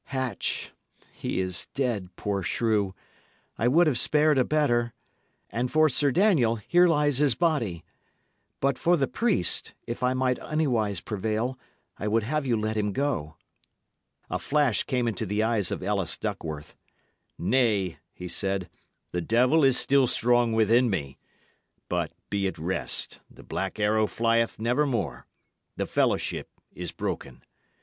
Hatch he is dead, poor shrew! I would have spared a better; and for Sir Daniel, here lies his body. But for the priest, if I might anywise prevail, I would have you let him go." A flash came into the eyes of Ellis Duckworth. "Nay," he said, "the devil is still strong within me. But be at rest; the Black Arrow flieth nevermore the fellowship is broken.